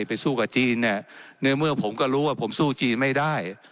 ไปสู้กับจีนเนี่ยในเมื่อผมก็รู้ว่าผมสู้จีนไม่ได้